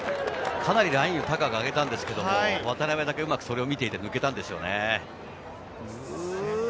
かなりラインを高く上げたんですけれど、渡部だけうまく見ていて、上げたんですよね。